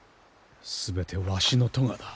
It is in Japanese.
全てわしの咎だ。